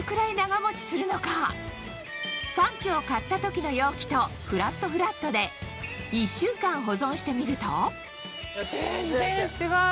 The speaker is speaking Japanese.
ではサンチュを買った時の容器とフラットフラットで１週間保存してみると全然違う。